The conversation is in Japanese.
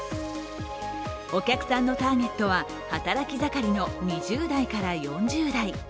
お客さんのターゲットは働き盛りの２０代から４０代。